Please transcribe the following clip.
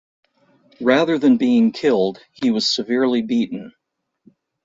Rather than being killed, he was severely beaten.